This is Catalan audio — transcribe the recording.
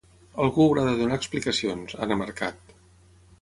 Algú haurà de donar explicacions, ha remarcat.